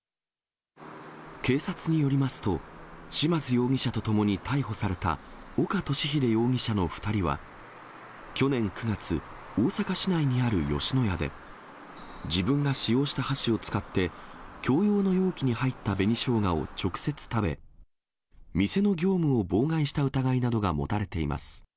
警察によりますと、嶋津容疑者と共に逮捕された岡敏秀容疑者の２人は、去年９月、大阪市内にある吉野屋で、自分が使用した箸を使って、共用の容器に入った紅ショウガを直接食べ、店の業務を妨害した疑いなどが持たれています。